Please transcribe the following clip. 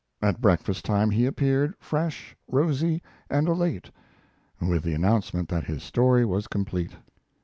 At breakfast time he appeared, fresh, rosy, and elate, with the announcement that his story was complete.